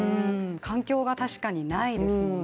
環境が確かにないですよね。